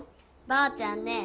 ばあちゃんね